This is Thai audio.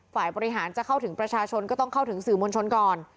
ฝ่ายบริหารจะเข้าถึงประชาชนก็ต้องเข้าถึงสื่อมวลชนก่อน